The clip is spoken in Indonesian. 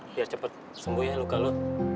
biar cepat sembuh ya luka lu